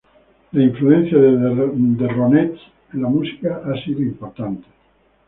La influencia de The Ronettes en la música ha sido importante.